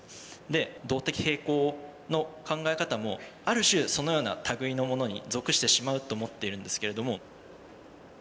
で動的平衡の考え方もある種そのような類いのものに属してしまうと思っているんですけれども。